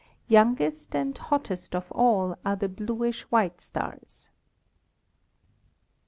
Youngest and hottest of all are the bluish white stars.